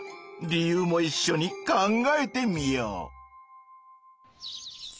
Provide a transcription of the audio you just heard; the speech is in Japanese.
理由もいっしょに考えてみよう。